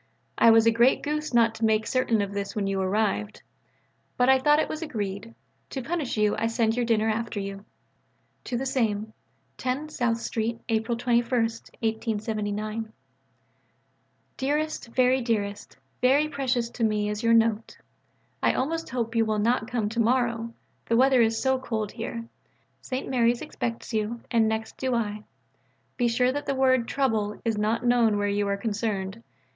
I was a great goose not to make certain of this when you arrived. But I thought it was agreed. To punish you I send your dinner after you. (To the same.) 10 SOUTH STREET, April 21 . DEAREST, VERY DEAREST Very precious to me is your note. I almost hope you will not come to morrow: the weather is so cold here. St. Mary's expects you: and next do I. Be sure that the word "trouble" is not known where you are concerned.